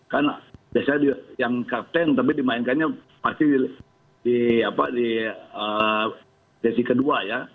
kan biasanya yang kapten tapi dimainkannya pasti di sesi kedua ya